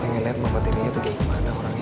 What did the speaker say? pengen liat mama tirinya tuh kayak gimana orangnya